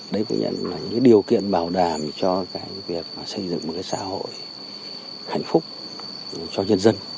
đấy cũng là những điều kiện bảo đảm cho việc xây dựng một cái xã hội hạnh phúc cho nhân dân